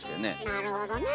なるほどね。